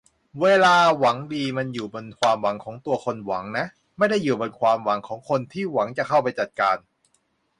เวลา หวังดี มันอยู่บนความหวังของตัวคนหวังนะ ไม่ได้อยู่บนความหวังของคนที่คนหวังจะเข้าไปจัดการ